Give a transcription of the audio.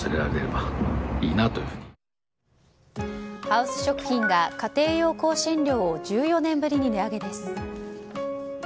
ハウス食品が家庭用香辛料を１４年ぶりに値上げです。